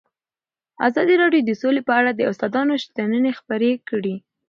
ازادي راډیو د سوله په اړه د استادانو شننې خپرې کړي.